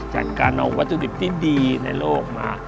จากการเอาวัตถุดิบที่ดีในโลกมา